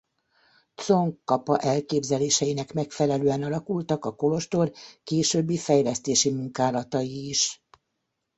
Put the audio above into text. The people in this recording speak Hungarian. Congkapa elképzeléseinek megfelelően alakultak a kolostor későbbi fejlesztési munkálatai is.